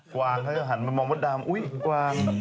กวางเขาจะหันมามองมดดำอุ๊ยกวาง